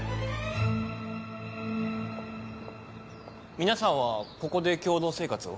皆さんはここで共同生活を？